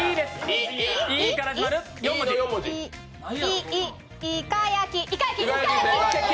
い、いか焼き。